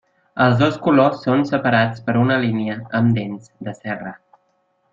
Els dos colors són separats per una línia amb dents de serra.